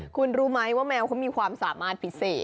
คุณรู้ไหมว่าแมวเขามีความสามารถพิเศษ